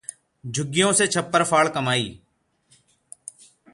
झुग्गियों से छप्परफाड़ कमाई